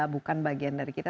bukan bagian dari kita